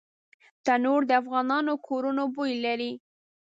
تنور د افغانو کورونو بوی لري